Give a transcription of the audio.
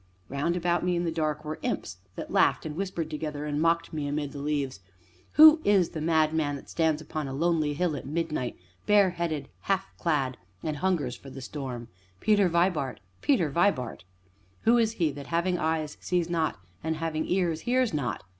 Round about me, in the dark, were imps that laughed and whispered together, and mocked me amid the leaves: "Who is the madman that stands upon a lonely hill at midnight, bareheaded, half clad, and hungers for the storm? Peter Vibart! Peter Vibart! Who is he that, having eyes, sees not, and having ears, hears not?